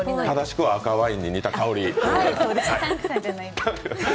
正しくは赤ワインに似た香り。